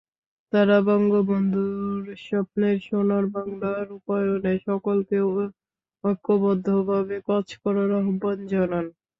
তাঁরা বঙ্গবন্ধুর স্বপ্নের সোনার বাংলা রূপায়ণে সকলকে ঐক্যবদ্ধভাবে কাজ করার আহ্বান জানান।